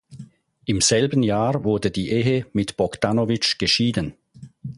Im selben Jahr wurde die Ehe mit Bogdanovich geschieden.